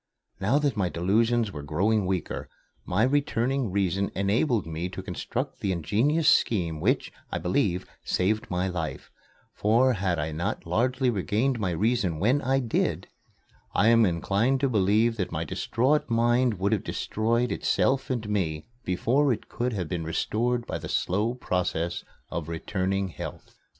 Now that my delusions were growing weaker, my returning reason enabled me to construct the ingenious scheme which, I believe, saved my life; for, had I not largely regained my reason when I did, I am inclined to believe that my distraught mind would have destroyed itself and me, before it could have been restored by the slow process of returning health.